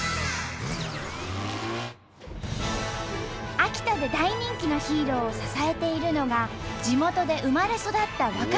秋田で大人気のヒーローを支えているのが地元で生まれ育った若者たち。